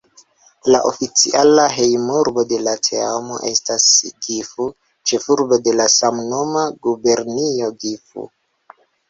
La oficiala hejmurbo de la teamo estas Gifu, ĉefurbo de la samnoma gubernio Gifu.